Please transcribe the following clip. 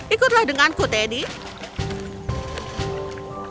ikutlah denganku teddy